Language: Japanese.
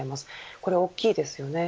これは大きいです。